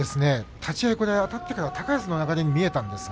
立ち合いあたってから高安の流れに見えたんですが。